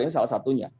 ini salah satunya